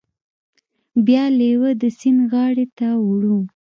بیا لیوه د سیند غاړې ته وړو.